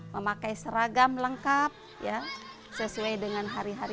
memakai seragam lengkap sesuai dengan hari hari